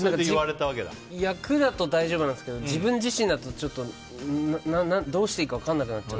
役だと大丈夫なんですけど自分自身だと、どうしていいか分からなくなっちゃう。